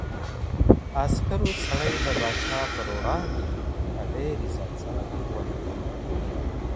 عسکرو سړی د پاچا په وړاندې په ډېر عزت سره ودراوه.